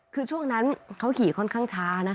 คือช่วงนั้นเขาขี่ค่อนข้างช้านะ